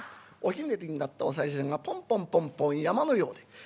おひねりになったおさい銭がポンポンポンポン山のようで。